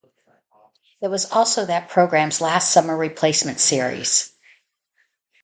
It was also that program's last summer replacement series.